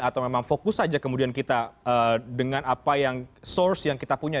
atau memang fokus saja kemudian kita dengan apa yang source yang kita punya